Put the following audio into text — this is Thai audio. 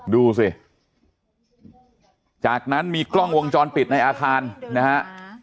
ดูสิจากนั้นมีกล้องวงจรปิดในอาคารนะฮะ